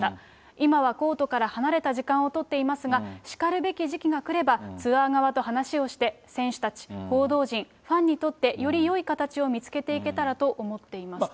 今はコートから離れた時間を取っていますが、しかるべき時期が来れば、ツアー側と話をして、選手たち、報道陣、ファンにとって、よりよい形を見つけていけたらと思っていますと。